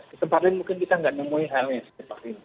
kekepatan mungkin kita nggak nemuin halnya sekepat ini